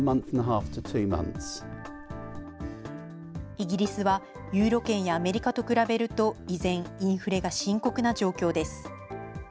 イギリスは、ユーロ圏やアメリカと比べると、依然、インフレが深刻な状況です。